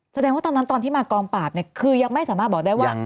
แสดงว่าตอนนั้นตอนที่มากองปราบเนี่ยคือยังไม่สามารถบอกได้ว่า